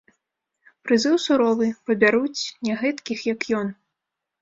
Прызыў суровы, пабяруць не гэткіх, як ён.